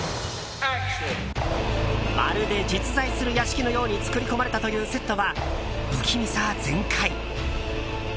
まるで実在する屋敷のように作り込まれたというセットは不気味さ全開。